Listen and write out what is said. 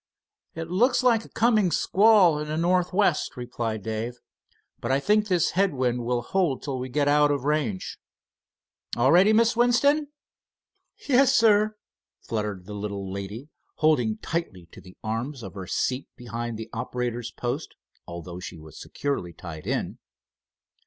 "It looks like a coming squall in the northwest," replied Dave; "but I think this head wind will hold till we get out of range. All ready, Miss Winston?" "Yes, sir," fluttered the little lady, holding tightly to the arms of her seat behind the operator's post, although she was securely tied in.